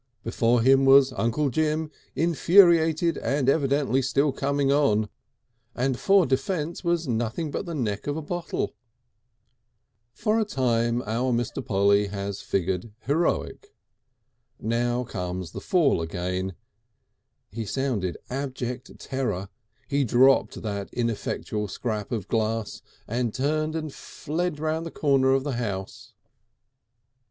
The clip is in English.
Before him was Uncle Jim, infuriated and evidently still coming on, and for defence was nothing but the neck of a bottle. For a time our Mr. Polly has figured heroic. Now comes the fall again; he sounded abject terror; he dropped that ineffectual scrap of glass and turned and fled round the corner of the house.